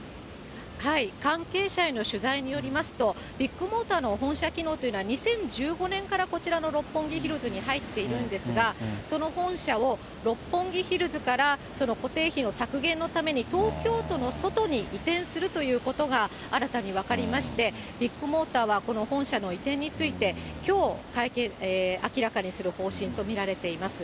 関係者への取材によりますと、ビッグモーターの本社機能というのは、２０１５年からこちらの六本木ヒルズに入っているんですが、その本社を六本木ヒルズからその固定費削減のために、東京都の外に移転するということが新たに分かりまして、ビッグモーターは、この本社の移転について、きょう明らかにする方針と見られています。